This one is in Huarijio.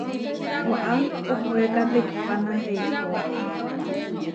Waʼá ohóeka tekihpána eikó.